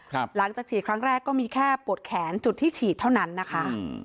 หลังจากฉีดครั้งแรกก็มีแค่ปวดแขนจุดที่ฉีดเท่านั้นนะคะอืม